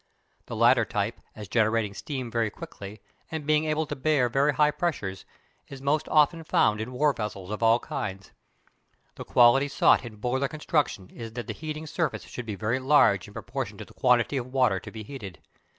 The latter type, as generating steam very quickly, and being able to bear very high pressures, is most often found in war vessels of all kinds. The quality sought in boiler construction is that the heating surface should be very large in proportion to the quantity of water to be heated.